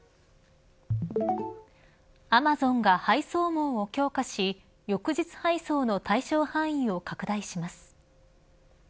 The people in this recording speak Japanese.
アマゾンが配送網を強化し翌日配送の対象範囲を拡大します。